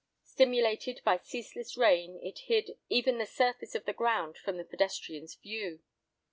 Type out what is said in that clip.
Stimulated by ceaseless rain it hid even the surface of the ground from the pedestrian's view.